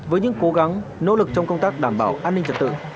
với những cố gắng nỗ lực trong công tác đảm bảo an ninh trật tự